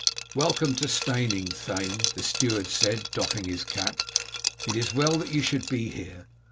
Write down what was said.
"Welcome to Steyning, thane," the steward said, doffing his cap; "it is well that you should be here.